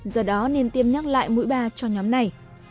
do đó nên tiêm nhắc lại mũi ba cho nhóm này